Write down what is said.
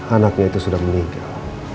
anaknya itu sudah meninggal